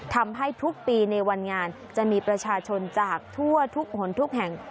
ทำให้ทุกปีในวันงานจะมีประชาชนจากทั่วทุกหนทุกแห่ง